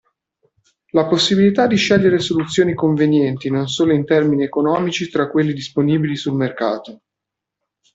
La possibilità di scegliere soluzioni convenienti non solo in termini economici tra quelli disponibili sul mercato.